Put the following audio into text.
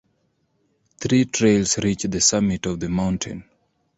Three trails reach the summit of the mountain.